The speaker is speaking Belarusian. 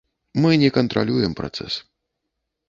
Мы не кантралюем працэс.